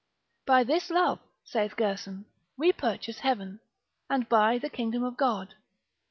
By this love (saith Gerson) we purchase heaven, and buy the kingdom of God.